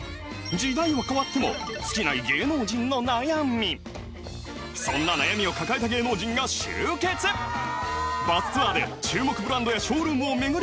時代は変わっても尽きない芸能人の悩みそんな悩みを抱えた芸能人が集結バスツアーで注目ブランドやショールームを巡り